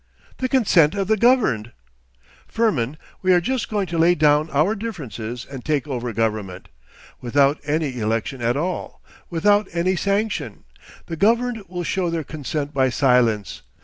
'The consent of the governed.' 'Firmin, we are just going to lay down our differences and take over government. Without any election at all. Without any sanction. The governed will show their consent by silence.